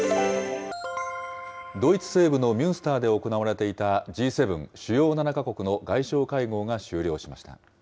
ドイツ西部のミュンスターで行われていた、Ｇ７・主要７か国の外相会合が終了しました。